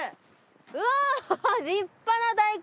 うわぁ立派な大根！